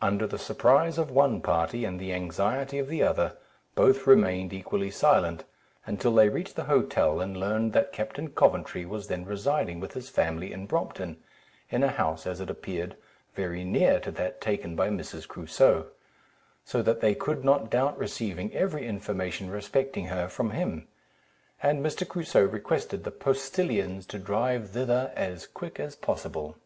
Under the surprise of one party, and the anxiety of the other, both remained equally silent, until they reached the hotel, and learnt that Captain Coventry was then residing with his family in Brompton, in a house, as it appeared, very near to that taken by Mrs. Crusoe; so that they could not doubt receiving every information respecting her from him; and Mr. Crusoe requested the postillions to drive thither as quick as possible.